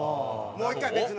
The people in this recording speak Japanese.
もう１回別の日。